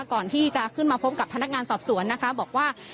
ก่อนที่จะขึ้นมาพบกับพนักงานสอบสวนนะคะบอกว่า